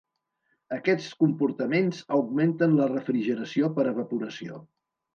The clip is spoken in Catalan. Aquests comportaments augmenten la refrigeració per evaporació.